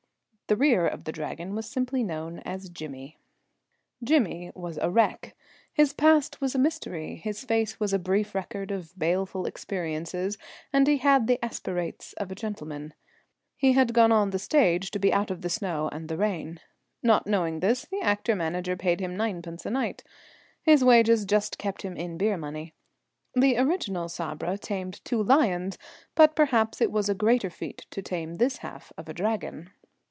The rear of the Dragon was simply known as Jimmy. Jimmy was a wreck. His past was a mystery. His face was a brief record of baleful experiences, and he had the aspirates of a gentleman. He had gone on the stage to be out of the snow and the rain. Not knowing this, the actor manager paid him ninepence a night. His wages just kept him in beer money. The original Sabra tamed two lions, but perhaps it was a greater feat to tame this half of a Dragon.